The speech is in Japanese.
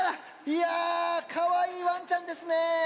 いやかわいいワンちゃんですね。